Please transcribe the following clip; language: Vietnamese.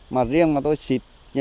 mà riêng mà tôi xịt